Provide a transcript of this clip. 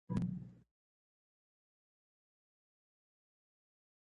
دا د انسانیت تقاضا ده.